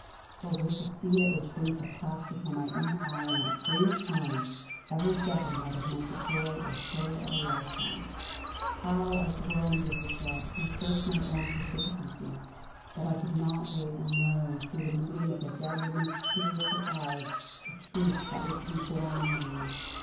For with the speed at which things had passed before my inner eye in that strange time, every second might have meant the joy or sorrow of a lifetime. How I groaned with regret, and cursed my own precipitancy, that I could not wait and learn through the medium of the dead woman's spiritual eyes the truths that were to be borne in mind!